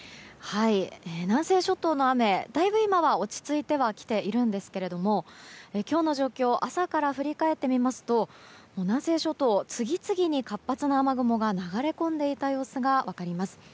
南西諸島の雨、だいぶ今は落ち着いてきていますが今日の状況を朝から振り返ってみますと南西諸島、次々に活発な雨雲が流れ込んでいた様子が分かります。